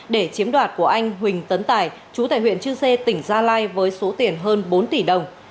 để chiếm đoạt của anh huỳnh tấn tài chú tại huyện chư sê tỉnh gia lai với số tiền hơn bốn tỷ đồng